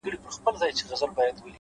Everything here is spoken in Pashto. لوړ لید راتلونکی روښانه کوي’